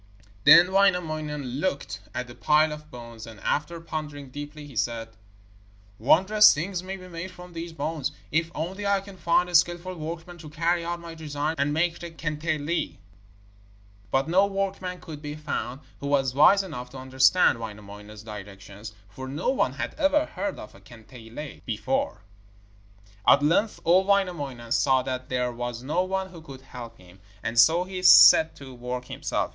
Then Wainamoinen looked at the pile of bones, and after pondering deeply he said: 'Wondrous things may be made from these bones, if only I can find a skilful workman to carry out my designs and make the kantele.' But no workman could be found who was wise enough to understand Wainamoinen's directions, for no one had ever heard of a kantele before. At length old Wainamoinen saw that there was no one who could help him, and so he set to work himself.